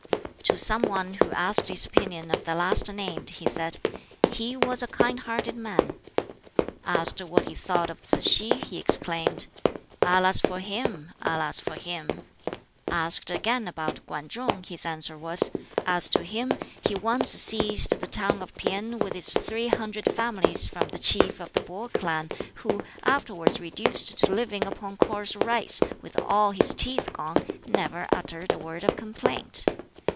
To some one who asked his opinion of the last named, he said, "He was a kind hearted man." Asked what he thought of Tsz si, he exclaimed, "Alas for him! alas for him!" Asked again about Kwan Chung, his answer was, "As to him, he once seized the town of P'in with its three hundred families from the Chief of the Pih clan, who, afterwards reduced to living upon coarse rice, with all his teeth gone, never uttered a word of complaint."